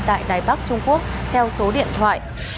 tại đài bắc trung quốc theo số điện thoại